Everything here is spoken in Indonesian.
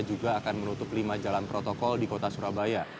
juga akan menutup lima jalan protokol di kota surabaya